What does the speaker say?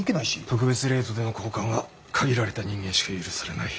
特別レートでの交換は限られた人間しか許されない。